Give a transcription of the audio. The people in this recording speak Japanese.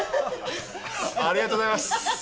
ありがとうございます！